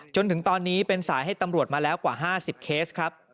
จนถึงตอนนี้เป็นสายให้ตำรวจมาแล้วกว่า๕๐เคสครับ